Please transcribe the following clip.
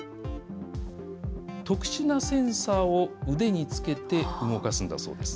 特殊なセンサーを腕につけて動かすんだそうです。